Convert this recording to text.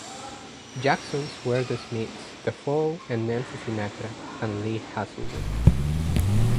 Jackson's were The Smiths, The Fall and Nancy Sinatra and Lee Hazlewood.